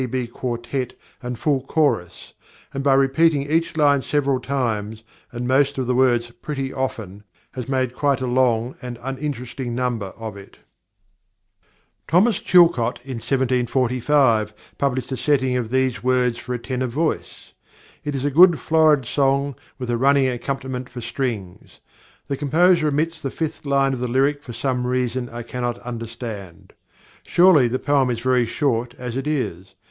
T.B. quartet and full chorus, and by repeating each line several times, and most of the words pretty often, has made quite a long and uninteresting number out of it. +Thomas Chilcot+ in 1745 published a setting of these words for a tenor voice. It is a good florid song, with a running accompaniment for strings. The composer omits the fifth line of the lyric for some reason I cannot understand. Surely the poem is very short as it is.